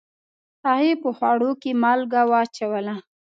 هغې په خوړو کې مالګه واچوله